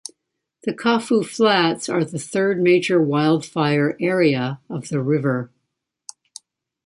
The Kafue Flats are the third major wildlife area of the river.